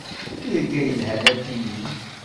Tirga yelhan a Timmy.